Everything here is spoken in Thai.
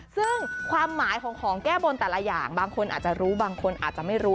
ซึ่งความหมายของของแก้บนแต่ละอย่างบางคนอาจจะรู้บางคนอาจจะไม่รู้